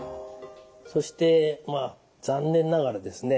そして残念ながらですね